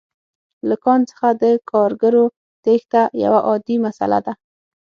له کان څخه د کارګرو تېښته یوه عادي مسئله ده